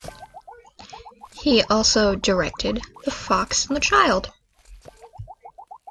He also directed "The Fox And the Child".